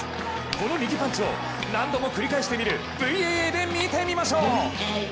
この右パンチを何度も繰り返して見る、ＶＡＡで見てみましょう。